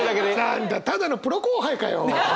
何だただのプロ後輩かよ。